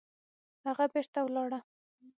هغه بېرته ولاړه